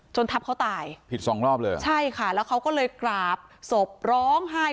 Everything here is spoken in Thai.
ทับเขาตายผิดสองรอบเลยเหรอใช่ค่ะแล้วเขาก็เลยกราบศพร้องไห้